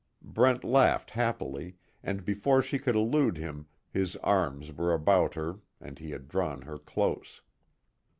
Brent laughed, happily, and before she could elude him his arms were about her and he had drawn her close.